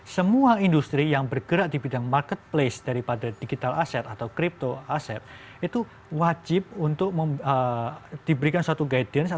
semua industri yang bergerak di bidang marketplace daripada digital asset atau crypto aset itu wajib untuk diberikan suatu guidance